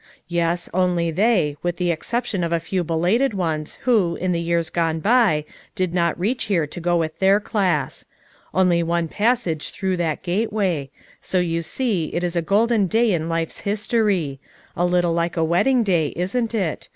"Yes, only they, with the exception of a few belated ones who, in the years gone by, did not reach here to go with their class. Only one passage through that gateway; so you see it is a golden day in life's history; a little like a wedding day, isn't it?